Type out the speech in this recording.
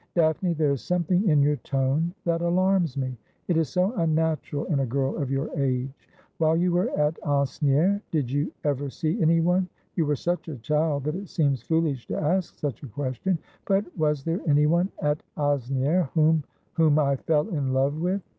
' Daphne, there is something in your tone that alarms me. It is so unnatural in a girl of your age. While you were at Asnieres, did you ever see anyone — you were such a child, that it seems foolish to ask such a question — but was there anyone at Asnieres whom '' Whom I fell in love with